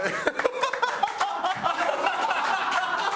ハハハハ！